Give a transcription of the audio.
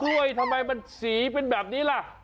ทำไมมันสีเป็นแบบนี้ล่ะ